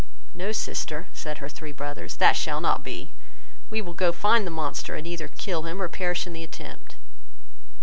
"No, sister, (said her three brothers,) that shall not be, we will go find the monster, and either kill him, or perish in the attempt."